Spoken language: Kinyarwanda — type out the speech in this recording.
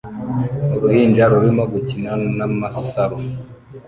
Uruhinja rurimo gukina n'amasaro